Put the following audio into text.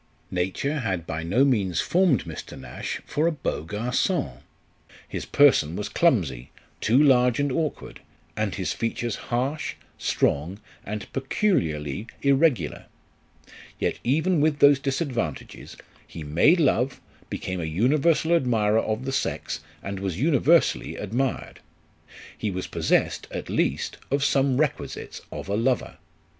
Nature had by no means formed Mr. Nash for a beau gargon ; his person was clumsy, too large and awk ward, and his features harsh, strong, and peculiarly irregular ; yet even with those disadvantages, he made love, became a universal admirer of the sex, and was universally admired. He was possessed, at least, of some requisites of a lover.